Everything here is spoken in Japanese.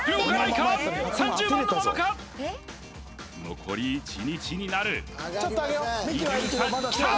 残り１日になるきた！